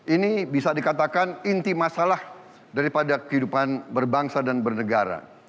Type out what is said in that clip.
ini bisa dikatakan inti masalah daripada kehidupan berbangsa dan bernegara